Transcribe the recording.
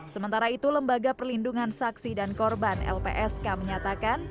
sementara itu lembaga perlindungan saksi dan korban lpsk menyatakan